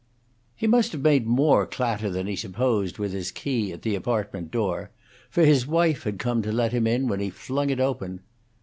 He must have made more clatter than he supposed with his key at the apartment door, for his wife had come to let him in when he flung it open.